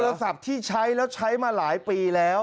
ศัพท์ที่ใช้แล้วใช้มาหลายปีแล้ว